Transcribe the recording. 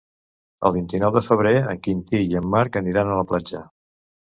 El vint-i-nou de febrer en Quintí i en Marc aniran a la platja.